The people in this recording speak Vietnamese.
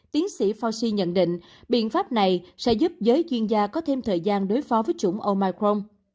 tiến sĩ faushi nhận định biện pháp này sẽ giúp giới chuyên gia có thêm thời gian đối phó với chủng omicron